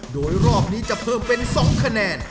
โดยรอบนี้จะเพิ่มเป็น๒คะแนน